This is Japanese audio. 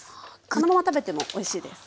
このまま食べてもおいしいです。